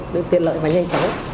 được tiện lợi và nhanh chóng